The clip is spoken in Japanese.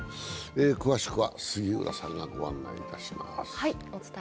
詳しくは杉浦さんがご案内します。